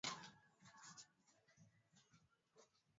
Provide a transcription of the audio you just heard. kikomunisti kufuatana na itikadi ya Mao Zedong Uadui kati ya